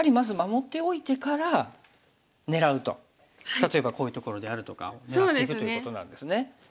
例えばこういうところであるとかを狙っていくということなんですね。